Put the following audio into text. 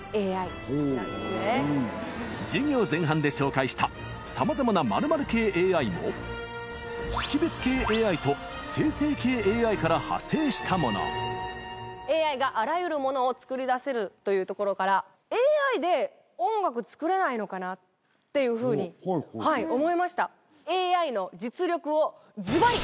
授業前半で紹介したさまざまな○○系ＡＩもから派生したものＡＩがあらゆるものを作り出せるというところから。っていうふうに思いました。